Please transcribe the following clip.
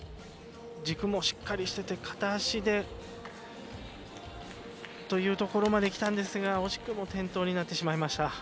軸もしっかりしてて片足でというところまできたんですが惜しくも転倒ということになってしまいました。